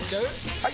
・はい！